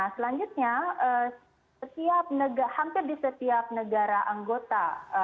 selanjutnya hampir di setiap negara anggota